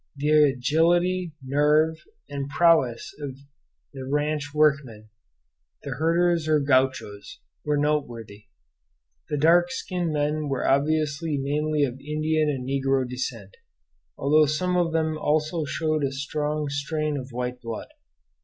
The agility, nerve, and prowess of the ranch workmen, the herders or gauchos, were noteworthy. The dark skinned men were obviously mainly of Indian and negro descent, although some of them also showed a strong strain of white blood.